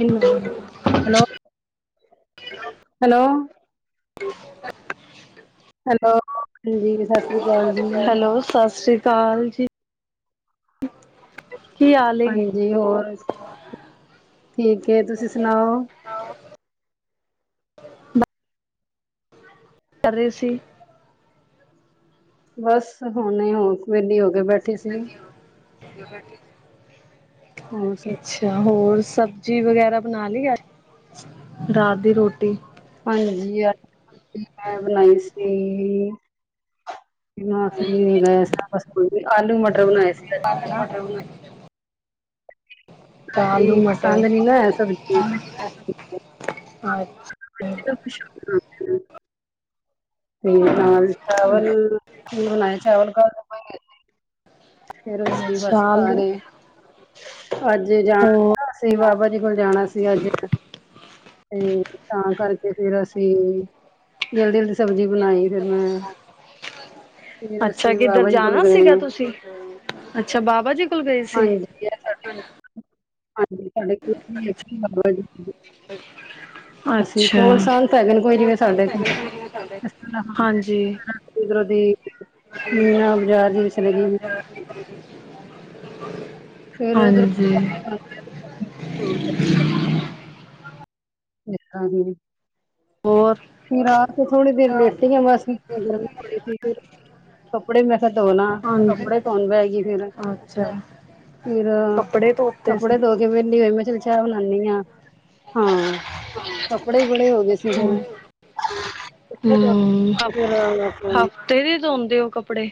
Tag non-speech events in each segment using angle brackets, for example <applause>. Hello, hello. <inaudible> Hello, ਹਾਂਜੀ ਸਤਿ ਸ੍ਰੀ ਅਕਾਲ ਜੀ। ਹੈਲੋ, ਸਤਿ ਸ੍ਰੀ ਅਕਾਲ ਜੀ ਕੀ ਹਾਲ ਏ ਹਾਂਜੀ, ਹੋਰ ਠੀਕ ਹੈ, ਤੁਸੀਂ ਸੁਣਾਓ ਕਰ ਰਹੇ ਸੀ? ਬਸ ਹੁਣੇ ਹੁਣ ਵੇਹਲੀ ਹੋ ਕੇ ਬੈਠੀ ਸੀ <inaudible> ਹੋਰ ਸੁਣਾਉ ਅੱਛਾ, ਹੋਰ ਸਬਜ਼ੀ ਵਗੈਰਾ ਬਣਾ ਲਈ ਏ, ਰਾਤ ਦੀ ਰੋਟੀ? ਹਾਂਜੀ, ਅੱਜ, ਮੈਂ ਬਣਾਈ ਸੀ ਮੈ <unintelligible> ਆਲੂ ਮਟਰ ਬਣਾਏ ਸੀ ਅੱਜ ਆਲੂ, ਹਨਾ। ਮਟਰ ਬਣਾਏ ਤੇ ਆਲੂ ਬਾਕੀ ਮਟਰ, ਪਸੰਦ ਨੀ ਨਾ ਹੈ ਸਬਜ਼ੀਆਂ ਅੱਛਾ <inaudible> ਤੇ ਨਾਲ ਚਾਵਲ, ਬਣਾਏ ਚਾਵਲ ਕੱਲ ਅੱਛਾ ਆਲੂ <unintelligible> ਅੱਜ ਜਾਣਾ ਹੋ ਸੀ ਨਾ, ਅਸੀ ਬਾਬਾ ਜੀ ਕੋਲ ਜਾਣਾ ਸੀ ਅੱਜ ਤੇ ਤਾਂ, ਕਰਕੇ ਫਿਰ ਅਸੀਂ ਜਲਦੀ -ਜਲਦੀ, ਸਬਜ਼ੀ ਬਣਾਈ ਫਿਰ ਮੈਂ ਫਿਰ ਅੱਛਾ, ਅਸੀਂ ਕਿੱਧਰ ਬਾਬਾ ਜੀ ਕੋਲ ਜਾਣਾ ਸੀਗਾ ਗਏ ਤੁਸੀਂ? ਅੱਛਾ ਬਾਬਾ ਜੀ ਕੋਲ ਗਏ ਸੀ। ਹਾਂਜੀ -ਹਾਂਜੀ, ਸਾਡੇ ਕੋਲ <unintelligible> ਅਸੀਂ ਅੱਛਾ ਕੋਲ ਸੰਤ ਹੈਗੇ, ਕੋਈ ਜਿਵੇਂ ਸਾਡੇ ਕੋਲ ਹਾਂਜੀ <unintelligible> ‌ਉਧਰੋ ਦੀ ਮੀਨਾ ਬਾਜ਼ਾਰ ਚ ਵੀ ਚਲੇ ਗਈ <unintelligible> ਫਿਰ ਉਧਰੋਂ ਹਾਂਜੀ <unintelligible> ਹੋਰ ਫਿਰ ਆ ਕੇ, ਥੋੜੀ ਦੇਰ ਲੇਟੀ ਆ ਬਸ, ਗਰਮੀ ਬੜੀ ਸੀ। ਫਿਰ ਕੱਪੜੇ ਮੈਂ ਕਿਹਾ ਧੋ ਲਾਂ, ਹਾਂਜੀ ਕੱਪੜੇ ਧੋਣ ਬਹਿ ਗਈ ਫਿਰ। ਅੱਛਾ ਫਿਰ ਕੱਪੜੇ ਧੋਤੇ ਸੀ। ਕੱਪੜੇ ਧੋ ਕੇ ਵਿਹਲੀ ਹੋਈ, ਮੈਂ ਕਿਹਾ, ਚੱਲ ਚਾਹ ਬਣਾਨੀ ਆ, ਹਾਂ। ਕੱਪੜੇ, ਬੜੇ ਹੋ ਗਏ ਸੀ ਹੂੰ ਮੇਰੇ। <unintelligible> ਡੇਲੀ ਧੋਂਦੇ ਹੋ ਕੱਪੜੇ?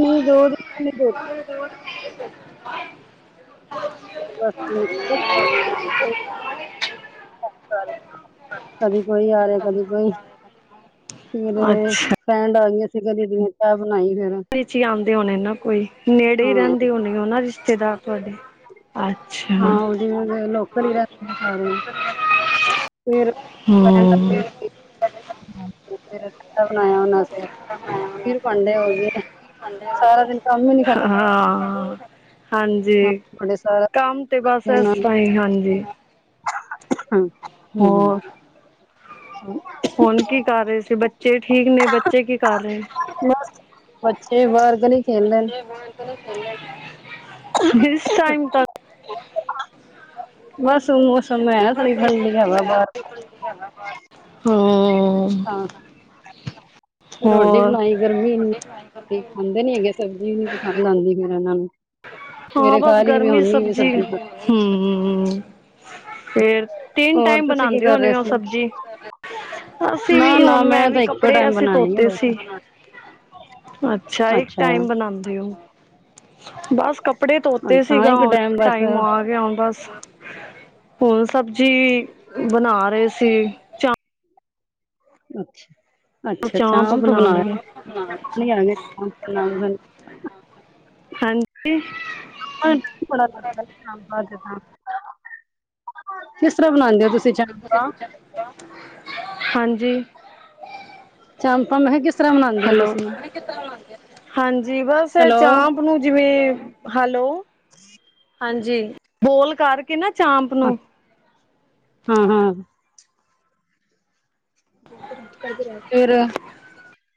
ਨਹੀਂ, ਦੋ ਦਿਨਾਂ ਦੇ ਧੋ <unintelligible> <unintelligible> <inaudible> <unintelligible> ਕਦੀ ਕੋਈ ਆ ਰਿਹਾ, ਕਦੀ ਕੋਈ। ਫਿਰ ਅੱਛਾ ਫਰੈੰਡ ਆ ਗਈਆਂ ਸੀ, ਕਹਿੰਦੇ ਚਾਹ ਬਣਾਈ ਫਿਰ ਵਿੱਚ ਹੀ ਆਉਂਦੇ ਹੋਣੇ ਨਾ ਕੋਈ, ਨੇੜੇ ਹੀ ਹਾਂ ਰਹਿੰਦੇ ਹੋਣੇ ਉਹ ਨਾ ਰਿਸ਼ਤੇਦਾਰ। ਤੁਹਾਡੇ ਅੱਛਾ ਹਾਂ, ਹਮ ਉਹਦੇ ਹੁਣ ਲੋਕਲ ਹੀ ਰਹਿੰਦੇ ਨੇ ਸਾਰੇ। ਫੇਰ <unintelligible> ਫੇਰ ਕਿੱਦਾਂ ਬਨਾਯਾ ਓਹਨਾਂ ਆਸਤੇ? ਫਿਰ ਭਾਂਡੇ ਹੋ ਗਏ, ਸਾਰਾ ਦਿਨ ਕੰਮ ਹੀ ਨੀ ਖਤਮ ਹੁੰ ਹਾਂ, ਹਾਂਜੀ ਬੜੇ ਸਾਰਾ ਦਿਨ ਕੰਮ ਤੇ ਬਸ ਬੱਚਿਆਂ ਇਸ ਨਾਲ ਤਰਾਂ ਹੀ, ਹਾਂਜੀ। <unintelligible> ਹੋਰ। ਹੂੰ ਹੁਣ ਕੀ ਕਰ ਰਹੇ ਸੀ। ਬੱਚੇ ਠੀਕ ਨੇ ਬੱਚੇ ਕੀ ਕਰ ਰਹੇ ਨੇ। ਬਸ ਬੱਚੇ ਬਾਹਰ ਗਲੀ ਖੇਲਦੇ ਨੇ। ਚਲੋ ਖੇਲੇ ਇਸ ਟਾਈਮ ਤੱਕ। ਬਸ ਮੌਸਮ ਐ। ਥੋੜੀ ਠੰਡੀ ਹਵਾ ਬਾਹਰ ਠੰਡੀ ਹਵਾ ਬਾਹਰ ਹਾਂ ਫਿਰ ਰੋਟੀ ਹੋਰ ਬਣਾਈ ਗਰਮੀ ਇੰਨੀ ਦਹੀਂ ਖਾਂਦੇ ਨੀ ਹੈਗੇ ਸਬਜ਼ੀ ਨੀ ਪਸੰਦ ਆਂਦੀ ਫੇਰ ਇਹਨਾਂ ਨੂੰ। ਮੇਰੇ <unintelligible> ਹਮਮ। ਫੇਰ ਤਿੰਨ ਹੋਰ ਟਾਈਮ ਤੁਸੀਂ ਕੀ ਬਣਾਂਦੇ ਕਰ ਹੋਣੇ ਰਹੇ ਓ ਸੀ ਸਬਜ਼ੀ। ਅਸੀਂ ਨਾ ਵੀ ਨਾ ਹੁਣ ਮੈਂ ਤਾਂ ਵੀ ਇੱਕੋ ਕੱਪੜੇ ਟਾਈਮ ਅਸੀਂ ਬਣਾਉਣੀ ਆ ਧੋਤੇ ਬਸ ਸੀ। ਅੱਛਾ ਇੱਕ ਟਾਈਮ ਬਣਾਂਦੇ ਓ। ਬਸ ਕੱਪੜੇ ਧੋਤੇ ਅੱਛਾ ਹਾਂ ਸੀਗਾ। ਇੱਕ ਹੁਣ ਬਸ ਟਾਈਮ ਆ ਗਿਆ ਹੁਣ ਬਸ। ਹੁਣ ਸਬਜ਼ੀ ਬਣਾ ਰਹੇ ਸੀ। ਚਾਂ ਅੱਛਾ-ਅੱਛਾ ਚਾਂਪ ਚਾਪ ਬਣਾ ਲਈਏ <unintelligible> ਹਾਂਜੀ। <unintelligible> ਕਿਸ ਤਰ੍ਹਾਂ ਬਣਾਂ ਦੇ ਓ ਤੁਸੀਂ ਚੰਪਾ। ਹਾਂਜੀ। ਚਾਪਾਂ ਮੈਂ ਕਿਹਾ ਕਿਸ ਤਰ੍ਹਾਂ ਬਣਾਉਂਦੇ ਹੋ ਹੈਲੋ, ਤੁਸੀਂ? ਹਾਂਜੀ ਬਸ ਏ ਹੈਲੋ। ਚਾਪ ਉਹਨੂੰ ਜਿਵੇਂ ਹੈਲੋ ਹਾਂਜੀ। ਬੋਲ ਕਰਕੇ ਨਾ ਚਾਪ ਨੂੰ ਹਾਂ- ਹਾਂ। <unintelligible> ਫਿਰ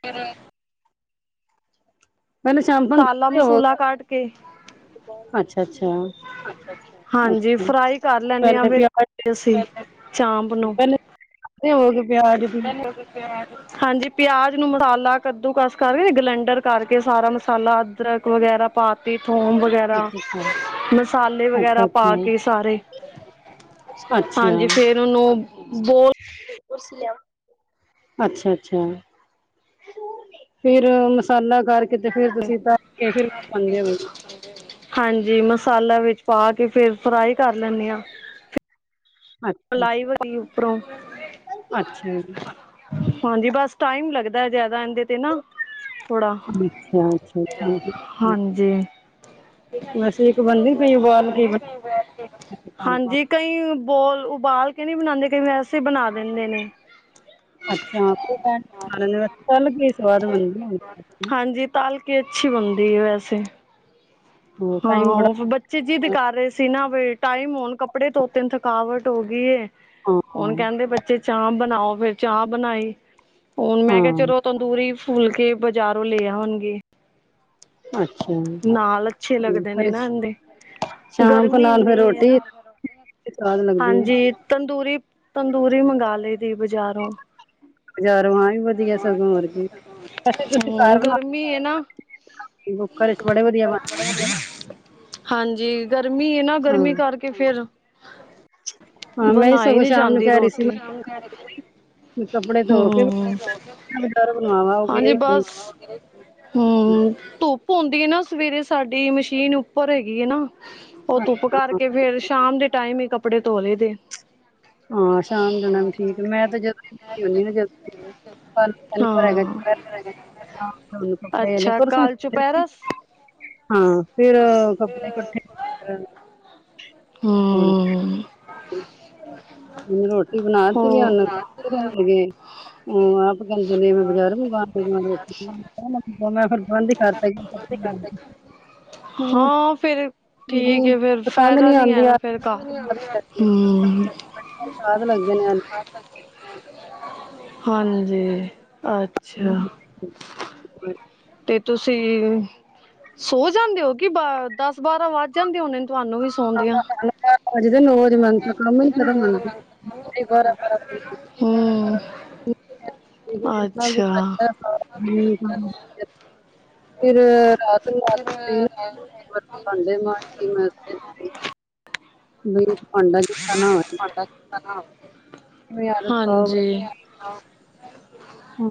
ਫਿਰ ਮੈਨੂੰ <unintelligible> ਮਸਾਲਾ ਮਸੂਲਾ ਹੋਵੋਗੇ ਕੱਟ ਕੇ ਅੱਛਾ -ਅੱਛਾ। ਹਾਂਜੀ ਅੱਛਾ-ਅੱਛਾ ਫਰਾਈ ਕਰ ਲੈਂਦੇ ਹਾਂ ਪਹਿਲੇ ਵੀ ਆਪਾਂ ਫਿਰ ਅਸੀਂ ਚਾਂਪ ਨੂੰ ਖਾਂਦੇ ਹੋਵੋਗੇ ਪਿਆਜ਼ ਵੀ। ਹਾਂਜੀ, ਪਿਆਜ ਨੂੰ ਮਸਾਲਾ ਕੱਦੂ ਕਸ ਕਰਕੇ ਗਲੈਂਡਰ ਕਰਕੇ ਸਾਰਾ ਮਸਾਲਾ। ਅਦਰਕ ਵਗੈਰਾ ਪਾ ਤੀ ਥੋਮ ਵਗੈਰਾ ਅੱਛਾ ਮਸਾਲੇ ਵਗੈਰਾ ਅੱਛਾ ਪਾ ਕੇ ਸਾਰੇ। ਅੱਛਾ ਹਾਂਜੀ, ਅੱਛਾ। ਫੇਰ ਉਹਨੂੰ ਬੋਲ ਅੱਛਾ ਅੱਛਾ, ਫੇਰ ਮਸਾਲਾ ਕਰਕੇ ਤੇ ਫਰ ਤੁਸੀਂ ਬੈਠੇ ਕੇ ਫਿਰ ਪਾਂਦੇ ਹੋਗੇ। ਹਾਂਜੀ, ਮਸਾਲਾ ਵਿੱਚ ਪਾ ਕੇ ਫਿਰ ਫਰਾਈ ਕਰ ਲੈਣੇ ਆ। ਅੱਛਾ ਲਾਈਵ <unintelligible> ਉਪਰੋ ਅੱਛਾ ਜੀ। ਹਾਂਜੀ, ਬਸ ਟਾਈਮ ਲੱਗਦਾ ਜ਼ਿਆਦਾ ਇਹਦੇ ਤੇ ਨਾ ਥੋੜਾ ਅੱਛਾ ਅੱਛਾ। ਹਾਂਜੀ। ਵੈਸੇ ਇੱਕ ਬਣਦੀ ਪਈ ਉਬਾਲ ਕੇ <unintelligible> ਚਾਂਪਾਂ ਹਾਂਜੀ, ਕਈ ਬੋਲ ਉਬਾਲ ਕੇ ਨਹੀਂ ਬਣਾਂਦੇ ਕਈ ਵੈਸੇ ਬਣਾ ਦਿੰਦੇ ਨੇ। ਅੱਛਾ ਕੋਈ ਗੱਲ ਨੀ ਚੱਲ ਕੀ ਸਵਾਦ ਬਣਦੀ। ਤੱਲ ਕੇ ਅੱਛੀ ਬਣਦੀ ਐ ਵੈਸੇ। ਹੋਰ ਟਾਈਮ ਬੜਾ ਹਾਂ, ਬੱਚੇ ਜ਼ਿੱਦ ਕਰਾ ਰਹੇ ਸੀ ਨਾ ਵੀ ਟਾਈਮ ਹੋਣ ਕੱਪੜੇ ਧੋਤੇ ਥਕਾਵਟ ਹੋ ਗਈ ਐ। ਹੁਣ ਹਾਂ ਕਹਿੰਦੇ ਬੱਚੇ ਚਾਪ ਬਣਾਈ ਫਿਰ ਚਾਪ ਬਣਾਈ ਹੁਣ ਮੈਂ ਕਿਹਾ ਹਾਂ ਚਲੋ ਤੰਦੂਰੀ ਫੁਲਕੇ ਬਾਜ਼ਾਰੋਂ ਲੈ ਆਵਨਗੇ। ਅੱਛਾ, ਨਾਲ ਅੱਛੇ ਤੇ ਲੱਗਦੇ ਨੇ ਫਿਰ ਨਾ ਐਨਦੇ। ਸ਼ਾਮ ਕੋ ਗਰਮੀ ਨਾਲ ਫਿਰ ਇੰਨੀ ਐ ਰੋਟੀ ਹੀ ਨਾ ਸਵਾਦ ਲੱਗਦੀ ਹੈ ਹਾਂਜੀ। ਤੰਦੂਰੀ, ਤੰਦੂਰੀ ਮੰਗਵਾ ਲਈ ਦੀ ਬਜ਼ਾਰੋਂ ਬਜ਼ਾਰੋਂ ਆ ਵੀ ਵਧੀਆ ਸਗੋਂ ਹੋਰ ਕੀ ਵੈਸੇ ਤੁਸੀਂ ਘਰ ਹਮ ਬਣਾ ਗਰਮੀ ਹੈ ਨਾ ਕੇ ਖਾਓਗੇ, ਕੁੱਕਰ ਚ ਬੜੇ ਵਧੀਆ ਬਣਦੇ ਨਾ ਹਾਂਜੀ, ਗਰਮੀ ਨਾ, ਗਰਮੀ ਕਰਕੇ ਫਿਰ ਹ ਬਣਾਈ ਨੀ ਜਾਂਦੀ ਰੋਟੀ। ਕੱਪੜੇ ਧੋ ਕੇ ਹਮ, ਬਜ਼ਾਰੋਂ ਬਣਵਾਵਾ ਉਹ ਗਿਆ ਹਾਂਜੀ ਹੀ ਕੋਈ ਬਸ ਹਮ, ਧੁੱਪ ਆਉਂਦੀ ਹੈ ਨਾ ਸਵੇਰੇ ਸਾਡੀ ਮਸ਼ੀਨ ਉੱਪਰ ਹੈਗੀ ਹੈ ਨਾ ਉਹ ਨਹੀਂ ਧੁੱਪ ਕਰਕੇ ਫੇਰ ਸ਼ਾਮ ਦੇ ਟਾਈਮ ਹੀ ਕੱਪੜੇ ਧੋ ਲਈਦੇ ਹਾਂ ਸ਼ਾਮ ਨੂੰ ਵੀ ਠੀਕ, ਮੈਂ ਤੇ ਜਦੋਂ ਹੀ ਵਿਹਲੀ ਨੀ ਹੈਗਾ ਪਰ ਹਾਂ ਅੱਛਾ ਕਾਲ ਚੁਪੈਰਸ ਹਾਂ, ਫਿਰ ਕੱਪੜੇ ਇਕੱਠੇ ਕਰਨ ਆਉਣ ਹ ਉਹਨੂੰ ਰੋਟੀ ਬਣਾਤੀ ਹੋ ਉਹਨਗੇ ਹ ਆਪ ਕਹਿੰਦੇ ਨੇ ਮੈਂ ਬਜ਼ਾਰ ਮੰਗਵਾਉਣਾ ਰੋਟੀ, ਫਿਰ ਬੰਦ ਹੀ ਕਰਤਾ ਹਮ ਹਾਂ ਫਿਰ, ਜੀ ਠੀਕ ਹੈ ਫੇਰ, ਫਾਇਦੇ ਪਸੰਦ ਪਤਾ ਨਹੀਂ ਨੀ ਆਉਂਦੀ ਐਨੂੰ ਆ ਫਿਰ ਕ ਹਮ ਸਵਾਦ ਲੱਗਦੇ ਨੇ ਅੱਜ ਹਾਂਜੀ, ਅੱਛਾ ਹਾਂ ਤੇ ਤੁਸੀਂ ਸੋ ਜਾਂਦੇ ਹੋ ਕਿ ਦਸ ਬਾਰਾਂ ਵੱਧ ਜਾਂਦੇ ਉਹੇ ਤੁਹਾਨੂੰ ਵੀ <inaudible> ਸੌਦਿਆਂ <inaudible> ਨੌ ਵਜਦੇ ਜੇ ਮਨ ਤਾਂ ਕੰਮ ਨੀ ਪਨਦਾ ਬਾਰਾਂ ਬਾਰਾਂ ਵਜੇ ਹੂੰ ਅੱਛਾ ਗ <inaudible> ਫਿਰ ਰਾਤ ਨੂੰ ਰਾਤ ਮ ਮੈਂ ਗਈ। <inaudible> ਬਈ ਭਾਂਡਾ ਜੂਠਾ ਨਾ ਹੋ ਪਾਓ ਬਸ। ਹਾਂਜੀ ਹੁਣ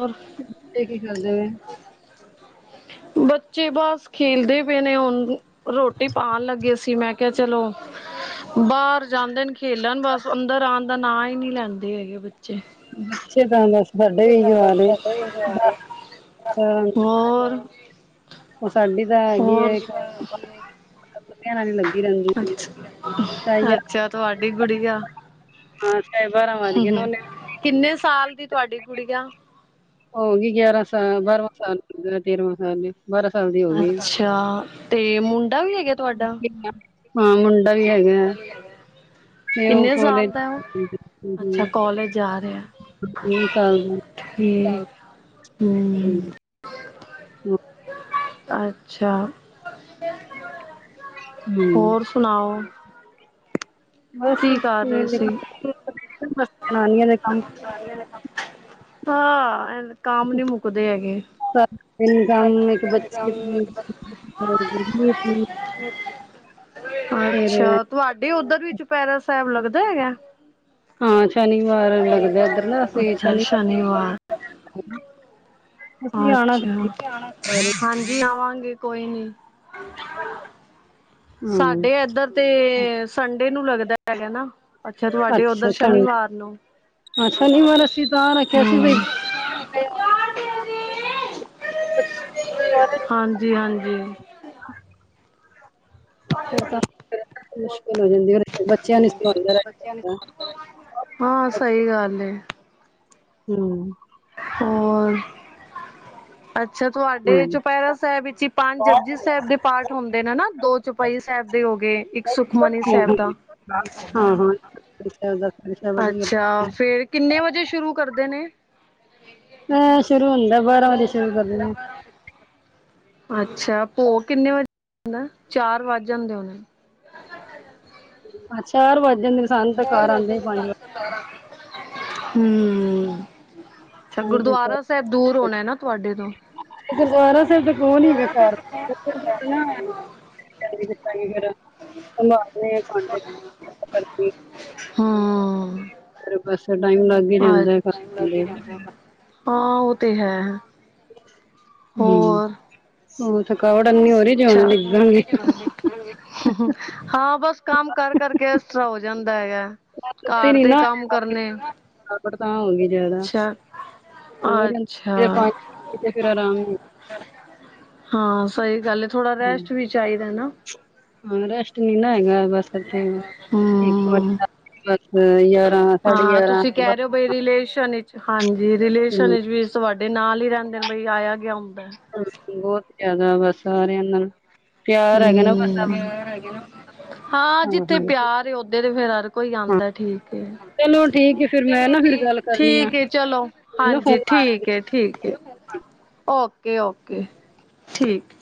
ਔਰ <unintelligible> ਇਹ ਕੀ ਖਾਂਦੇ ਪਏ ਬੱਚੇ ਬੱਸ ਖੇਲਦੇ ਪਏ ਨੇ ਹੁਣ ਰੋਟੀ ਪਾਉਂਣ ਲੱਗੇ ਸੀ ਮੈਂ ਕਿਹਾ ਚਲੋ ਬਾਹਰ ਜਾਂਦੇ ਨੇ ਖੇਲਣ ਬਸ, ਅੰਦਰ ਆਉਣ ਦਾ ਨਾਂ ਹੀ ਨਹੀਂ ਲੈਂਦੇ ਹੈਗੇ ਬੱਚੇ ਬੱਚੇ ਤਾਂ ਦੱਸ ਬਸ ਹੋਰ ਉਹ ਸਾਡੀ ਤਾਂ ਹੈਗੀ ਹੋਰ ਹੈ ਕੁੱਤਿਆਂ ਨਾਲ ਹੀ ਲੱਗੀ ਰਹਿੰਦੀ ਸ਼ਾਇਦ ਅੱਛਾ, ਯਾਰ ਅੱਛਾ ਤੁਹਾਡੀ ਗੁੜੀਆ ਹਾਂ ਸਾਡੇ ਬਾਂਰਾਂ ਵੱਜ ਹੂੰ ਗਏ ਨੇ ਹੂੰ ਕਿੰਨੇ ਸਾਲ ਦੀ ਤੁਹਾਡੀ ਗੁੜੀਆ ਹੋਗੀ ਗਿਆਰਾਂ ਸਾਲ, ਬਾਰਵਾ ਸਾਲ, ਤੇਰਵਾਂ ਸਾਲ ਬਾਰਾਂ ਸਾਲ ਦੀ ਹੋ ਗਈ ਅੱਛਾ ਤੇ ਮੁੰਡਾ ਵੀ ਹੈਗਾ ਤੁਹਾਡਾ ਆ ਹਾਂ ਮੁੰਡਾ ਵੀ ਹੈਗਾ ਉਹ ਕਿੰਨੇ ਖੋਲੇ ਸਾਲ ਦਾ ਉਹ ਅੱਛਾ ਕਾਲਜ ਜਾ ਰਿਹਾ ਸਾਲ <unintelligible> ਠੀਕ ਹਮ ਹੂੰ ਅੱਛਾ, ਹੂੰ ਹੋਰ ਸੁਣਾਓ ਬੱਸ, ਕੀ ਕਰ ਰਹੇ ਵਿਹਲੇ ਸੀ ਕੰਮ ਜ਼ਨਾਨੀਆਂ ਦੇ ਕੰਮ ਹਾਂ, ਕੰਮ ਨਹੀਂ ਮੁੱਕਦੇ ਹੈਗੇ ਸਾਰਾ ਦਿਨ <unintelligible> <unintelligible> ਕੰਮ ਇੱਕ ਬੱਚੇ ਦੀ ਫਿਰ ਅੱਛਾ ਤੁਹਾਡੇ ਉੱਧਰ ਵੀ ਚੁਪੈਰਾ ਸਾਹਿਬ ਲੱਗਦਾ ਹੈਗਾ ਹਾਂ ਸ਼ਨੀਵਾਰ ਲੱਗਦਾ ਇੱਧਰ ਨਾ ਅਸੀਂ ਅੱਛਾ ਸ਼ਨੀਵਾਰ ਸ਼ਨੀਵਾਰ ਅਸੀਂ ਆਣਾ ਅੱਛਾ ਸਾਰੇ ਹਾਂਜੀ ਆਵਾਂਗੇ ਕੋਈ ਨੀ <inaudible> ਹਾਂ ਸਾਡੇ ਇੱਧਰ ਤੇ ਸੰਡੇ ਨੂੰ ਲੱਗਦਾ ਹੈਗਾ ਨਾ ਅੱਛਾ ਤੁਹਾਡੇ ਉੱਧਰ ਸ਼ਨੀਵਾਰ ਨੂੰ ਅੱਛਾ ਨਹੀਂ ਵਾਰ ਅਸੀ ਤਾਂ ਬਈ ਹਮ ਹਾਂਜੀ ਹਾਂਜੀ ਫਿਰ ਬੱਚਿਆਂ ਨੇ ਹਾਂ ਸਹੀ ਗੱਲ ਹੈ ਹਮ ਹੋਰ ਅੱਛਾ ਹੂੰ ਤੁਹਾਡੇ ਚੁਪਹਿਰਾ ਸਾਹਿਬ ਵਿੱਚ ਹੀ ਪੰਜ ਜਪੁਜੀ ਸਾਹਿਬ ਦੇ ਪਾਠ ਹੁੰਦੇ ਨੇ ਨਾ ਦੋ ਚ ਚੌਪਈ ਸਾਹਿਬ ਦੇ ਹੋ ਗਏ ਇੱਕ ਸੁਖਮਨੀ ਸਾਹਿਬ ਦਾ ਹਾਂ ਜੁਪਜੀ ਸਾਹਿਬ ਚੋਪਈ ਅੱਛਾ ਸਾਹਿਬ ਫੇਰ ਕਿੰਨੇ ਵਜੇ ਸ਼ੁਰੂ ਕਰਦੇ ਨੇ ਇਹ ਸ਼ੁਰੂ ਹੁੰਦਾ ਬਾਰਾਂ ਵਜੇ ਸ਼ੁਰੂ ਕਰਦੇ ਆ ਅੱਛਾ ਭੋਗ ਕਿੰਨੇ ਵਜੇ ਪੇਂਦਾ ਚਾਰ ਵੱਜ ਜਾਂਦੇ ਹੋਣੇ ਚਾਰ ਵੱਜ ਜਾਂਦੇ ਸਾਨੂੰ ਤਾਂ ਘਰ ਆਉਂਦੇ ਹੀ ਪੰਜ ਹਮ ਅੱਛਾ ਪੰਜ ਗੁਰਦੁਆਰਾ ਸਾਹਿਬ ਦੂਰ ਹੋਣਾ ਨਾਂ ਤੁਹਾਡੇ ਤੋਂ ਗੁਰਦੁਆਰਾ ਓਹ ਨਹੀਂ ਹੈਗਾ ਘਰ ਸੰਭਾਲਦੇ ਆ ਭਾਂਡੇ ਕਰਕੇ ਹਾਂ ਬੱਸ ਟਾਇਮ ਲੱਗ ਹੀ ਜਾਂਦਾ ਹੈ ਅੱਛਾ ਹਾਂ ਉਹ ਤੇ ਹੈ ਹੋਰ ਹਮ ਉਹ ਥਕਾਵਟ ਇਨੀ ਹੀ ਜਿਵੇਂ ਅੱਛਾ ਡਿੱਗਾਂਗੇ ਹਾਂ ਬਸ ਕੰਮ ਕਰ ਕਰ ਕੇ ਇਸ ਤਰ੍ਹਾਂ ਹੋ ਜਾਂਦਾ ਹੈਗਾ। ਘਰ ਦੇ ਕੰਮ ਕਰਨੇ। ਆਹ ਪੜਤਾਂ ਹੋ ਗਈ ਜਿਆਦਾ। ਅੱਛਾ ਸੌ ਵੀ ਲੈਂਦਾ ਅੱਛਾ ਹੈ ਫੇਰ ਪਾ ਕੇ ਕੀਤੇ ਫੇਰ ਆਰਾਮ ਨਹੀਂ। ਹਾਂ ਸਹੀ ਗੱਲ ਹੈ। ਥੋੜਾ ਰੈਸਟ ਵੀ ਚਾਹੀਦਾ ਨਾ। ਹਾਂ ਰੈਸਟ ਨਹੀਂ ਨਾ ਹੈਗਾ ਬਸ ਅਤੇ ਇੱਕ। ਸੋਰੀ ਹੂੰ ਦਾ ਬੱਸ ਗਿਆਰਾਂ ਸਾਢੇ ਹਾਂ ਗਿਆਰਾਂ ਤੁਸੀਂ ਕਹਿ ਰਹੇ ਹੋ ਬਈ ਬੱਸ। ਰਿਲੇਸ਼ਨ ਵਿੱਚ ਹਾਂਜੀ ਰਿਲੇਸ਼ਨ ਵਿੱਚ ਵੀ ਤੁਹਾਡੇ ਨਾਲ ਹੀ ਰਹਿੰਦੇ ਬਈ ਆਇਆ ਗਿਆ ਹੁੰਦਾ ਹੈ। ਹੂੰ ਬਹੁਤ ਜ਼ਿਆਦਾ ਬਸ ਸਾਰਿਆਂ ਨਾਲ। ਪਿਆਰ ਹੈਗਾ ਨਾ ਬਸ ਹਾਂ ਹੂੰ ਹਾਂ ਜਿੱਥੇ ਪਿਆਰ ਉੱਥੇ ਤੇ ਫੇਰ। ਕੋਈ ਆਉਂਦਾ ਠੀਕ ਹੈ। ਚਲੋ ਠੀਕ ਹੈ ਫਿਰ ਮੈਂ ਚਲੋ ਨਾ ਠੀਕ ਫਿਰ ਹੈ। ਗੱਲ ਕਰਨੀ ਆ ਠੀਕ ਹੈ ਚਲੋ ਮੈਨੂੰ ਨਾ ਹਾਂਜੀ ਫੋਨ ਆ ਰਿਹਾ ਠੀਕ ਹੈ। ਠੀਕ ਹੈ ਓਕੇ ਓਕੇ ਠੀਕ।